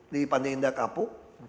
di pantai indah kapuk